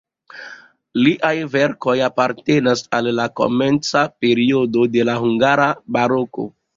Liaj verkoj apartenas al la komenca periodo de la hungara baroko.